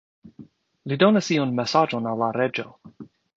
Li donas iun mesaĝon al la reĝo.